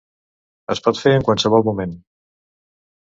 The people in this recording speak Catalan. Es pot fer en qualsevol moment.